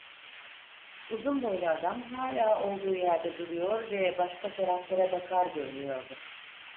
Uzun boylu adam hâlâ olduğu yerde duruyor ve başka taraflara bakar görünüyordu.